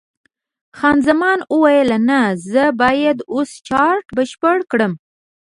خان زمان وویل: نه، زه باید اوس چارټ بشپړ کړم.